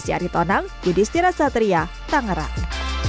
dc aritonang jadi setirah satria tangerang